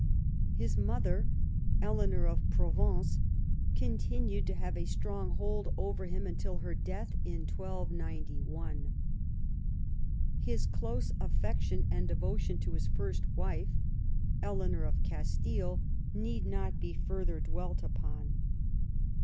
His mother, Eleanor of Provence, continued to have a strong hold over him until her death in 1291. His close alTcction and devotion to his first wife, Eleanor of Castile, need not be further dwelt upon.